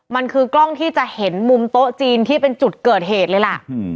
มันคือกล้องที่จะเห็นมุมโต๊ะจีนที่เป็นจุดเกิดเหตุเลยล่ะ